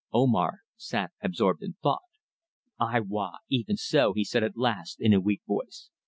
Omar sat absorbed in thought. "Ay wa! Even so!" he said at last, in a weak voice.